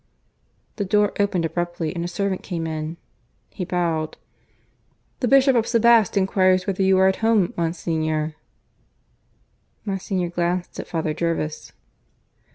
The door opened abruptly and a servant came in. He bowed. "The Bishop of Sebaste enquires whether you are at home, Monsignor?" Monsignor glanced at Father Jervis.